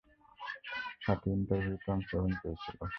সাথে ইন্টারভিউতে অংশগ্রহণ করেছিল।